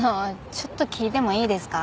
ちょっと聞いてもいいですか？